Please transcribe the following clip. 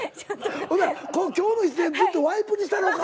ほんなら今日の出演ずっとワイプにしたろか？